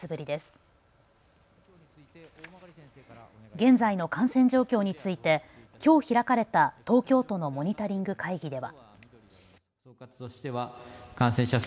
現在の感染状況についてきょう開かれた東京都のモニタリング会議では。